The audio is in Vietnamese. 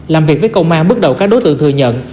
làm việc với công an bước đầu các đối tượng thừa nhận